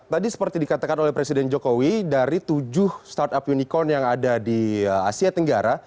tadi seperti dikatakan oleh presiden jokowi dari tujuh startup unicorn yang ada di asia tenggara